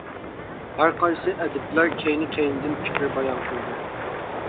ھەر قايسى ئەدىبلەر كەينى-كەينىدىن پىكىر بايان قىلدى.